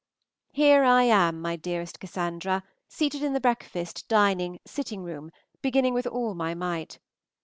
HERE I am, my dearest Cassandra, seated in the breakfast, dining, sitting room, beginning with all my might.